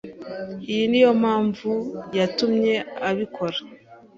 Iyi niyo mpamvu yatumye abikora.